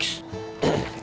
wah laz aku geleng